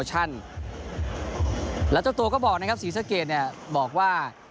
ทีมและสีสกีดบอกว่า